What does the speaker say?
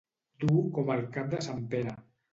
Dur com el cap de sant Pere.